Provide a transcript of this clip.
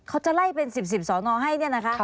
เขาจะไล่เป็น๑๐สอนอค่ะ